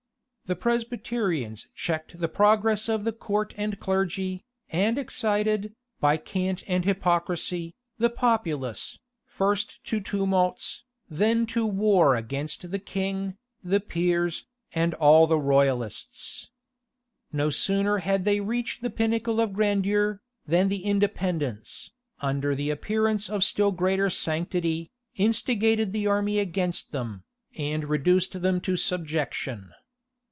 The Presbyterians checked the progress of the court and clergy, and excited, by cant and hypocrisy, the populace, first to tumults, then to war against the king, the peers, and all the royalists. No sooner had they reached the pinnacle of grandeur, than the Independents, under the appearance of still greater sanctity, instigated the army against them, and reduced them to subjection.